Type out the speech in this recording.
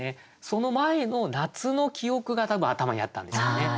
その前の夏の記憶が多分頭にあったんですよね。